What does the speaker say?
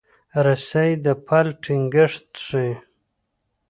رسۍ د پل ټینګښت ښيي.